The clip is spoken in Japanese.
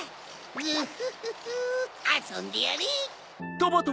グフフフあそんでやれ！